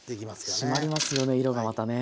締まりますよね色がまたね。